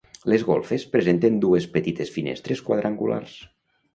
Les golfes presenten dues petites finestres quadrangulars.